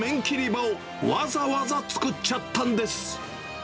刃をわざわざ作っちゃったんです。